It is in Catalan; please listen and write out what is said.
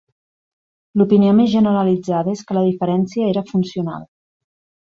L'opinió més generalitzada és que la diferència era funcional.